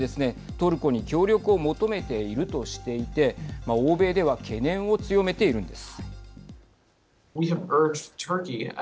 トルコに協力を求めているとしていて欧米では懸念を強めているんです。